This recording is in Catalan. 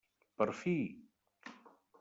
Per fi!